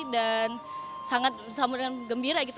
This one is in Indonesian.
dan sangat sambutan gembira gitu